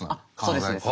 あそうです。